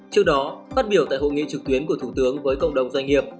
trước đó phát biểu tại hội nghị trực tuyến của thủ tướng với cộng đồng doanh nghiệp